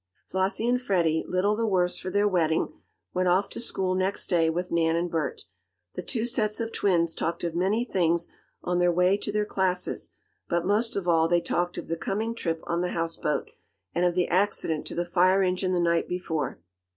Flossie and Freddie, little the worse for their wetting, went off to school next day, with Nan and Bert. The two sets of twins talked of many things on their way to their classes, but, most of all, they talked of the coming trip on the houseboat, and of the accident to the fire engine the night before.